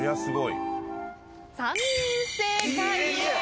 ３人正解です。